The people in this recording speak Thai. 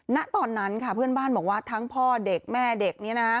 ณตอนนั้นค่ะเพื่อนบ้านบอกว่าทั้งพ่อเด็กแม่เด็กนี้นะ